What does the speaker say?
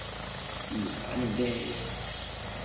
自然反應啫